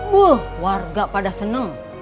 wah warga pada seneng